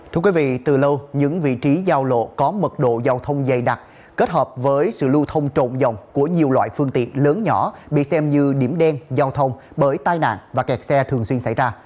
thưa quý vị từ lâu những vị trí giao lộ có mật độ giao thông dày đặc kết hợp với sự lưu thông trộn dòng của nhiều loại phương tiện lớn nhỏ bị xem như điểm đen giao thông bởi tai nạn và kẹt xe thường xuyên xảy ra